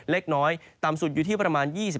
เล็กน้อยต่ำสุดอยู่ที่ประมาณ๒๐